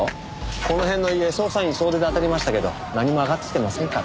この辺の家捜査員総出であたりましたけど何も上がってきてませんから。